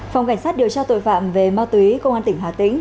phòng cảnh sát điều tra tội phạm về ma túy công an tỉnh hà tĩnh